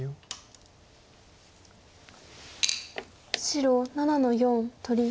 白７の四取り。